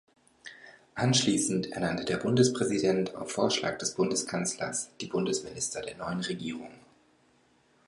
Anschließend ernannte der Bundespräsident auf Vorschlag des Bundeskanzlers die Bundesminister der neuen Regierung.